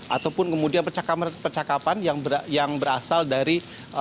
ataupun kemudian percakapan yang berasal dari